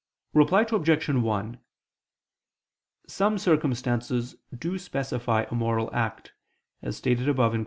Reply Obj. 1: Some circumstances do specify a moral act, as stated above (Q.